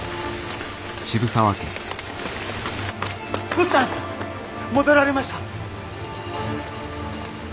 坊ちゃん戻られました！